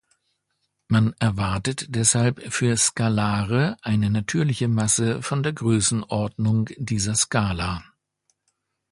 Man erwartet deshalb für Skalare eine natürliche Masse von der Größenordnung dieser Skala.